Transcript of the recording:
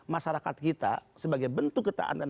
masyarakat kita sebagai bentuk ketaatan